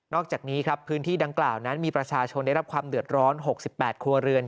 อกจากนี้ครับพื้นที่ดังกล่าวนั้นมีประชาชนได้รับความเดือดร้อน๖๘ครัวเรือน